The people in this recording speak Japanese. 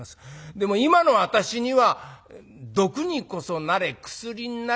でも今の私には毒にこそなれ薬になる金じゃありません。